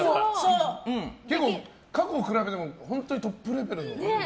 でも、過去と比べても本当にトップレベル。